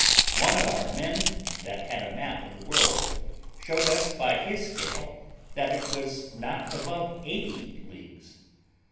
One of our men, that had a map of the world, showed us by his scale that it was not above eighty leagues.